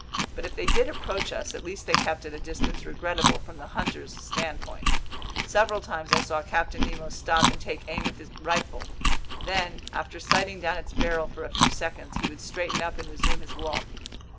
But if they did approach us, at least they kept at a distance regrettable from the hunter's standpoint. Several times I saw Captain Nemo stop and take aim with his rifle; then, after sighting down its barrel for a few seconds, he would straighten up and resume his walk.